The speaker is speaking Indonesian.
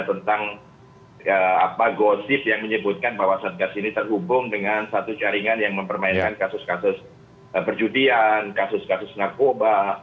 tentang gosip yang menyebutkan bahwa satgas ini terhubung dengan satu jaringan yang mempermainkan kasus kasus perjudian kasus kasus narkoba